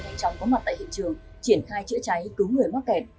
ngay trong có mặt tại hiện trường triển khai chữa cháy cứu người mắc kẹt